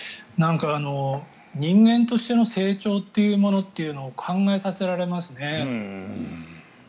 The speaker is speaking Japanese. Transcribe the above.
人間としての成長っていうものというのを考えさせられますね。